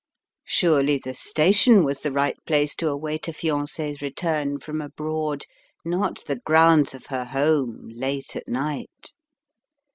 Surely, the station was the right place to await a fiancee's return from abroad, not the grounds of her home — late at night!